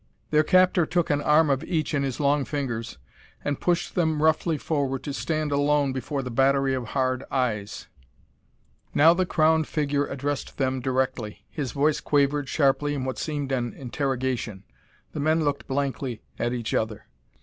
Their captor took an arm of each in his long fingers and pushed them roughly forward to stand alone before the battery of hard eyes. Now the crowned figure addressed them directly. His voice quavered sharply in what seemed an interrogation. The men looked blankly at each other.